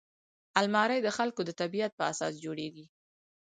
الماري د خلکو د طبعیت په اساس جوړیږي